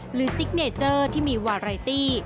หรือซิกเนเจอร์ที่มีวารายตี